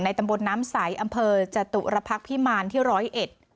ตำบลน้ำใสอำเภอจตุรพักษ์พิมารที่ร้อยเอ็ด